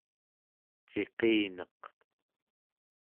ciqineq